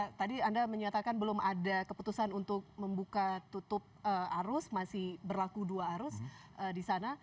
ya tadi anda menyatakan belum ada keputusan untuk membuka tutup arus masih berlaku dua arus di sana